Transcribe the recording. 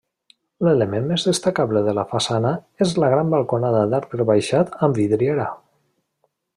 L'element més destacable de la façana és la gran balconada d'arc rebaixat amb vidriera.